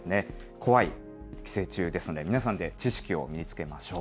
怖い寄生虫ですので、皆さんで知識を身につけましょう。